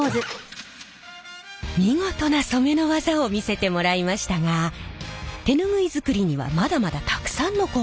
見事な染めの技を見せてもらいましたが手ぬぐい作りにはまだまだたくさんの工程があります。